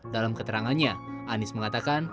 dalam keterangannya anies mengatakan